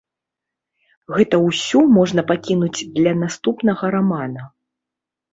Гэта ўсё можа пакінуць для наступнага рамана.